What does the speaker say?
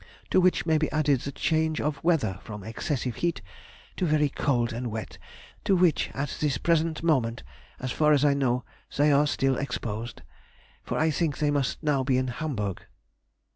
To which may be added the change of weather from excessive heat to very cold and wet, to which at this present moment (as far as I know) they are still exposed, for I think they must be now in Hamburg....